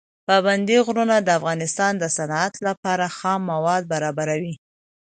پابندي غرونه د افغانستان د صنعت لپاره خام مواد برابروي.